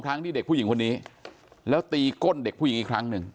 ครั้งที่เด็กผู้หญิงคนนี้แล้วตีก้นเด็กผู้หญิงอีกครั้งหนึ่ง